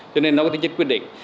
cho nên nó có tính chất quyết định